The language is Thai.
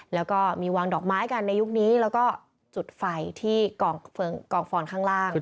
แล้วก็มีวางดอกไม้กันในยุคนี้แล้วก็จุดไฟที่กองฟอนข้างล่าง